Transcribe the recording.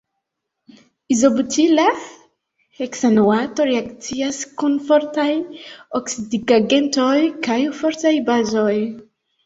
Izobutila heksanoato reakcias kun fortaj oksidigagentoj kaj fortaj bazoj.